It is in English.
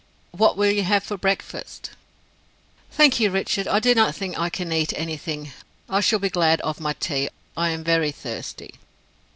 "What will you have for breakfast?" "Thank you, Richard, I do not think that I can eat any thing. I shall be glad of my tea; I am very thirsty."